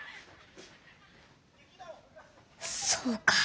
そうか。